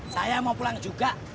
saya mau pulang juga